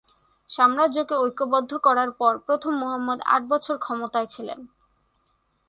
সাম্রাজ্যকে ঐক্যবদ্ধ করার পর প্রথম মুহাম্মদ আট বছর ক্ষমতায় ছিলেন।